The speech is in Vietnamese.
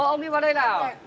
ông cứ vào đây nào